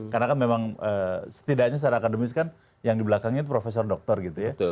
karena kan memang setidaknya secara akademis kan yang di belakangnya itu profesor dokter gitu ya